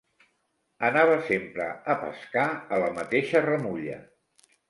Anava sempre a pescar a la mateixa remulla.